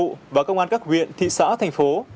của công an các huyện thị xã thành phố